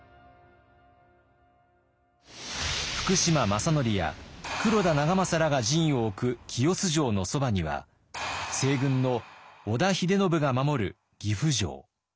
福島正則や黒田長政らが陣を置く清須城のそばには西軍の織田秀信が守る岐阜城。